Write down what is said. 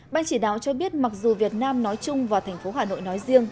ban chỉ đạo cho biết mặc dù việt nam nói chung và thành phố hà nội nói riêng